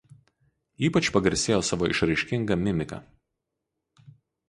Ypač pagarsėjo savo išraiškinga mimika.